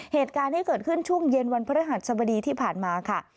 เหตุการณ์ที่เกิดขึ้นช่วงเย็นวันพฤหัสสบดีที่ผ่านมาค่ะ